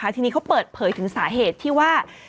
ทีนี้เขาเปิดเผยถึงสาเหตุที่ว่า